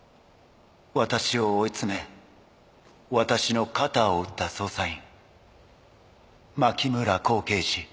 私を追い詰め私の肩を撃った捜査員牧村航刑事」。